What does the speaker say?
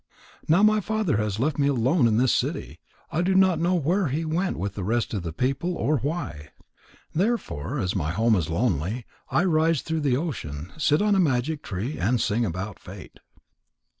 Now my father has left me alone in this city. I do not know where he went with the rest of the people, or why. Therefore, as my home is lonely, I rise through the ocean, sit on a magic tree, and song about fate."